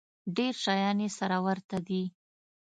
ډېر شیان یې سره ورته دي.